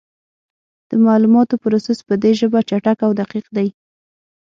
د معلوماتو پروسس په دې ژبه چټک او دقیق دی.